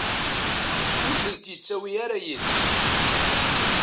Ur tent-yettawi ara yid-s.